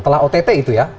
setelah ott itu ya